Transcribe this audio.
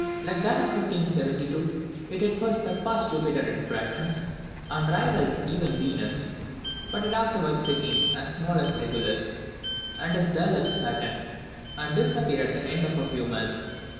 Like that of 1572, it at first surpassed Jupiter in brightness, and rivalled even Venus, but it afterwards became as small as Regulus, and as dull as Saturn, and disappeared at the end of a few months.